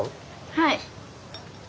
はい。